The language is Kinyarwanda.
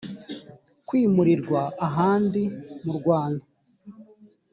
kwimurirwa ahandi mu rwanda